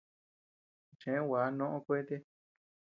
Cheʼe gua noʼo kuete.